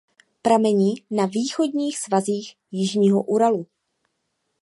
Pramení na východních svazích Jižního Uralu.